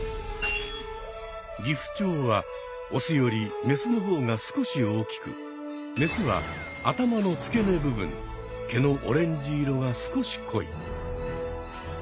ギフチョウはオスよりメスの方が少し大きくメスは頭の付け根部分毛のオレンジ色が少し濃い。